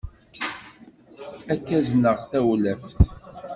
Ad k-azneɣ tawlaft.